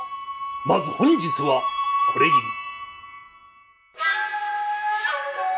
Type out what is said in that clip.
まず本日はこれぎり。